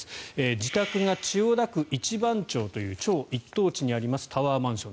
自宅が千代田区一番町という超一等地にありますタワーマンション。